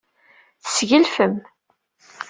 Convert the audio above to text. Tesgelfem.